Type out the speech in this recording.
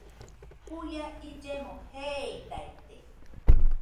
Juia illeno jeeidaite